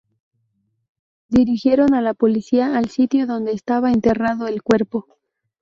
Dirigieron a la policía al sitio donde estaba enterrado el cuerpo.